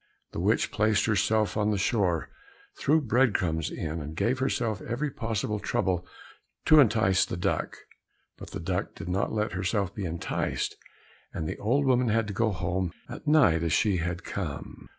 The witch placed herself on the shore, threw bread crumbs in, and gave herself every possible trouble to entice the duck; but the duck did not let herself be enticed, and the old woman had to go home at night as she had come.